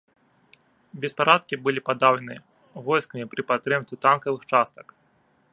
Беспарадкі былі падаўлены войскамі пры падтрымцы танкавых частак.